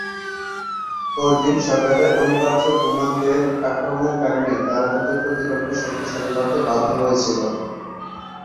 পরদিন সকালে অনিবার্য রোমানদের আক্রমণের কারণে তারা তাদের প্রতিরক্ষা শক্তিশালী করতে বাধ্য হয়েছিল।